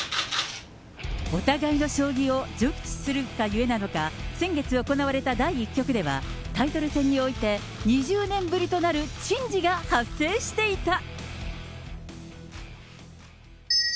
お互いの将棋を熟知するゆえなのか、先月行われた第１局では、タイトル戦において２０年ぶりとなる珍事が発生していた。